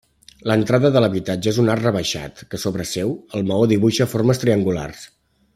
L'entrada de l'habitatge és un arc rebaixat que sobre seu el maó dibuixa formes triangulars.